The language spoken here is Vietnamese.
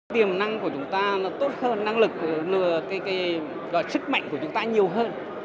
tiềm năng của chúng ta nó tốt hơn năng lực sức mạnh của chúng ta nhiều hơn